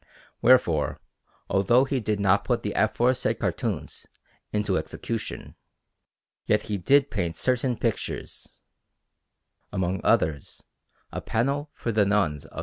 Wherefore, although he did not put the aforesaid cartoons into execution, yet he did paint certain pictures; among others, a panel for the Nuns of S.